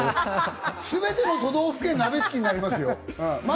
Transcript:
すべての都道府県が鍋敷きになりますま。